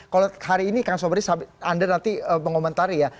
kalau hari ini kang sobri anda nanti mengomentari ya